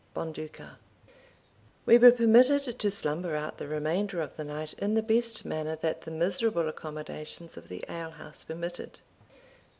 Bonduca. We were permitted to slumber out the remainder of the night in the best manner that the miserable accommodations of the alehouse permitted.